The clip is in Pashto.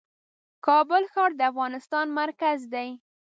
کابل ښار د افغانستان مرکز دی .